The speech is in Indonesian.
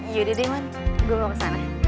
yaudah deh man gue mau kesana